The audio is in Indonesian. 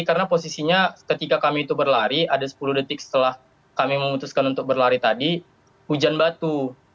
karena posisinya ketika kami itu berlari ada sepuluh detik setelah kami memutuskan untuk berlari tadi hujan batu